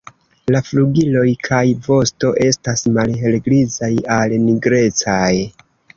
La flugiloj kaj vosto estas malhelgrizaj al nigrecaj.